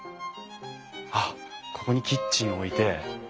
あっここにキッチンを置いて。